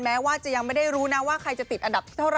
แม้ว่าจะยังไม่ได้รู้นะว่าใครจะติดอันดับที่เท่าไห